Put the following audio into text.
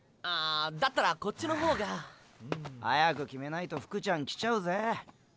だったらこっちのほうが。早く決めないと福ちゃん来ちゃうぜ。